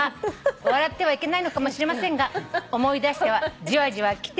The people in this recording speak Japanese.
「笑ってはいけないのかもしれませんが思い出してはじわじわきています」